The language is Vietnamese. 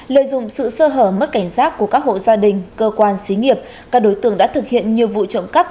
lợi dụng sự sơ hở mất cảnh giác của các hộ gia đình cơ quan xí nghiệp các đối tượng đã thực hiện nhiều vụ trộm cắp